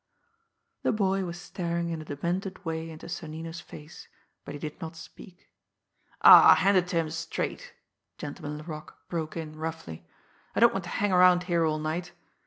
The boy was staring in a demented way into Sonnino's face, but he did not speak. "Aw, hand it to him straight!" Gentleman Laroque broke in roughly. "I don't want to hang around here all night.